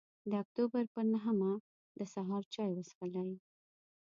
د اکتوبر پر نهمه د سهار چای وڅښلې.